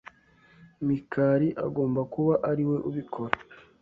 Mikali agomba kuba ariwe ubikora.